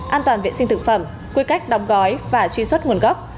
an toàn vệ sinh thực phẩm quy cách đóng gói và truy xuất nguồn gốc